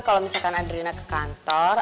kalau misalkan adrina ke kantor